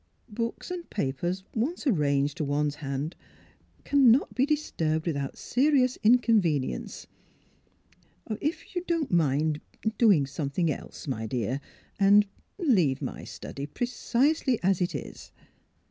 Books and papers once arranged to one 's hand cannot be disturbed with out serious inconvenience. If you don 't mind — er — doing something else, my dear ; and — ah — leave my study precisely as it is."